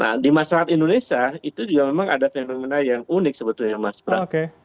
nah di masyarakat indonesia itu juga memang ada fenomena yang unik sebetulnya mas pram